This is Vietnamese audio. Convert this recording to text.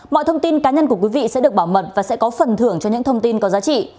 mọi thông tin cá nhân của quý vị sẽ được bảo mật và sẽ có phần thưởng cho những thông tin có giá trị